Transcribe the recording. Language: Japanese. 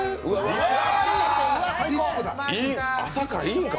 朝からいいんか！